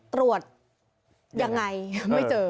ตรวจยังไงไม่เจอ